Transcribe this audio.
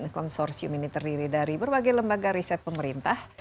konsorsium ini terdiri dari berbagai lembaga riset pemerintah